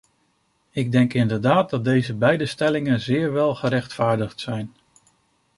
Ik denk inderdaad dat deze beide stellingen zeer wel gerechtvaardigd zijn.